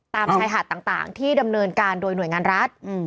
ตามชายหาดต่างที่ดำเนินการโดยหน่วยงานรัฐ